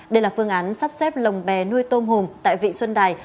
đây là phương án sắp xếp lòng bé nuôi tôm hùm tại vịnh xuân đài